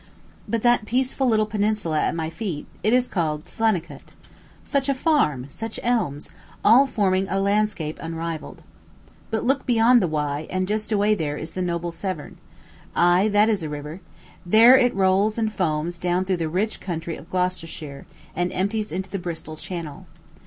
But that peaceful little peninsula at my feet; it is called Llanicut. Such a farm! such elms! all forming a landscape unrivalled. But look beyond the Wye, and, just away there, is the noble Severn. Ay, that is a river. There it rolls and foams down through the rich county of Gloucestershire, and empties into the Bristol Channel.